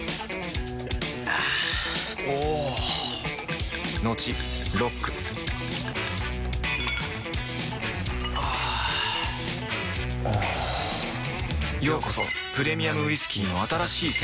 あぁおぉトクトクあぁおぉようこそプレミアムウイスキーの新しい世界へ